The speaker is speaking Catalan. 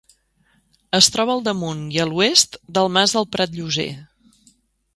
Es troba al damunt i a l'oest del Mas del Prat Lloser.